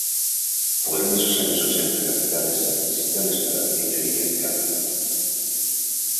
Fueron esos años ochenta capitales en adquisiciones para la Librería de Cámara.